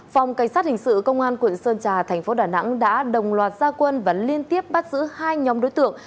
phòng cảnh sát hình sự công an quận sơn trà thành phố đà nẵng đã đồng loạt gia quân và liên tiếp bắt giữ hai nhóm đối tượng